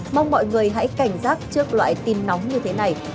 mong mọi người hãy cảnh giác trước loại tin nóng như thế này